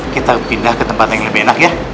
kita pindah ke tempat yang lebih enak ya